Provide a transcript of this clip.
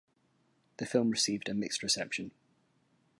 The film received a mixed reception.